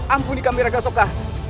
ampuni kami raga soka